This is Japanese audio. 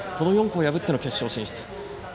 この４校を破っての決勝進出。